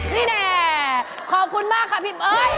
นี่แหละขอบคุณมากค่ะพี่เบ้อึย